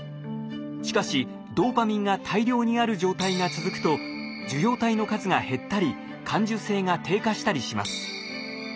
しかしドーパミンが大量にある状態が続くと受容体の数が減ったり感受性が低下したりします。